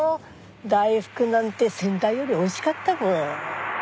大福なんて先代よりおいしかったもん。